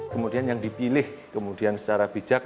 kemudian yang dipilih kemudian secara bijak